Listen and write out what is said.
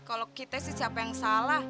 kalau kita sih siapa yang salah